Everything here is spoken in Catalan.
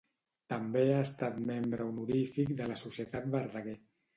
També ha estat membre honorífic de la Societat Verdaguer.